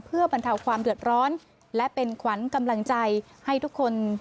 เพื่อบรรเทาความเดือดร้อนและเป็นขวัญกำลังใจให้ทุกคน